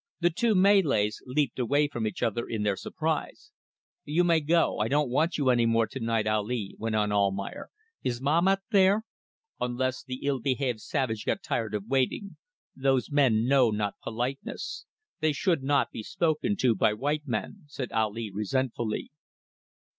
The two Malays leaped away from each other in their surprise. "You may go. I don't want you any more tonight, Ali," went on Almayer. "Is Mahmat there?" "Unless the ill behaved savage got tired of waiting. Those men know not politeness. They should not be spoken to by white men," said Ali, resentfully.